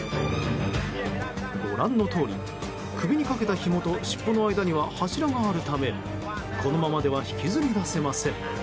ご覧のとおり、首にかけたひもと尻尾の間には柱があるためこのままでは引きずり出せません。